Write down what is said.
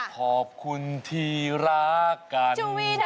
ขอบคุณที่รักกัน